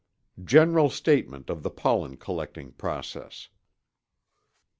] GENERAL STATEMENT OF THE POLLEN COLLECTING PROCESS.